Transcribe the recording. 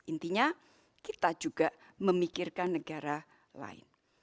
intinya kita juga memikirkan negara lain